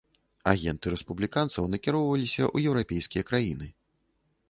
Агенты рэспубліканцаў накіроўваліся ў еўрапейскія краіны.